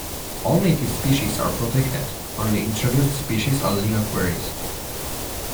All native species are protected, only introduced species are legal quarries.